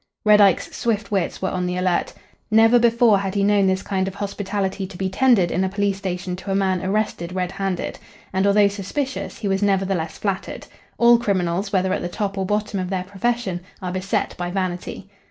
Red Ike's swift wits were on the alert. Never before had he known this kind of hospitality to be tendered in a police station to a man arrested red handed. And although suspicious, he was nevertheless flattered. All criminals, whether at the top or bottom of their profession, are beset by vanity.